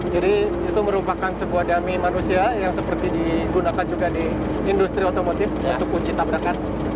jadi itu merupakan sebuah dummy manusia yang seperti digunakan juga di industri otomotif untuk uji tabrakan